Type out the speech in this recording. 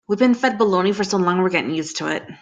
We've been fed baloney so long we're getting used to it.